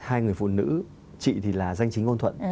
hai người phụ nữ chị thì là danh chính ngôn thuận